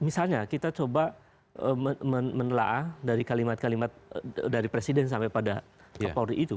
misalnya kita coba menelaah dari kalimat kalimat dari presiden sampai pada kapolri itu